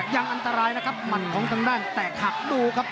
ยังอันตรายนะครับหมัดของทางด้านแตกหักดูครับ